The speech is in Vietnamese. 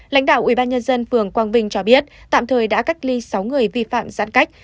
lãnh đạo ubnd phường quang vinh cho biết tạm thời đã cách ly sáu người vi phạm giãn cách